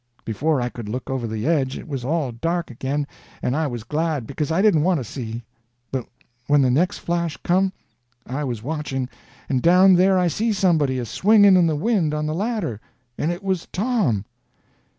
Before I could look over the edge it was all dark again, and I was glad, because I didn't want to see. But when the next flash come, I was watching, and down there I see somebody a swinging in the wind on the ladder, and it was Tom!